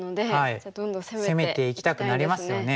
攻めていきたくなりますよね。